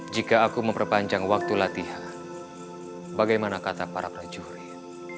jika aku memperpanjang waktu latihan bagaimana kata para prajurit